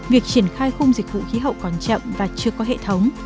việc triển khai khung dịch vụ khí hậu còn chậm và chưa có hệ thống